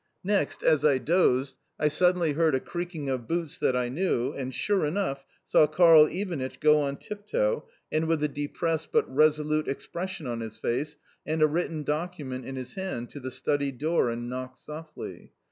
Next, as I dozed, I suddenly heard a creaking of boots that I knew, and, sure enough, saw Karl Ivanitch go on tiptoe, and with a depressed, but resolute, expression on his face and a written document in his hand, to the study door and knock softly.